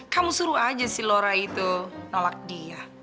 kamu suruh aja si lora itu nolak dia